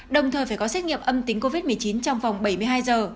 đồng thời phải có xét nghiệm âm tính covid một mươi chín trong vòng bảy mươi hai giờ